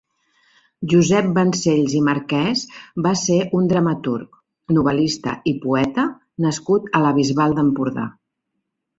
Josep Vancells i Marquès va ser un dramaturg, novel·lista i poeta nascut a la Bisbal d'Empordà.